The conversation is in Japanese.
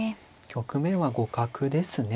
局面は互角ですね。